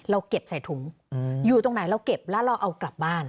เราเก็บใส่ถุงอยู่ตรงไหนเราเก็บแล้วเราเอากลับบ้าน